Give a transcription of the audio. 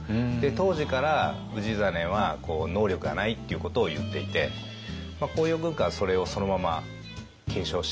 当時から氏真は能力がないっていうことを言っていて「甲陽軍鑑」はそれをそのまま継承して。